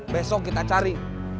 besok kita cari